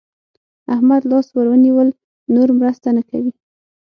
احمد لاس ور ونيول؛ نور مرسته نه کوي.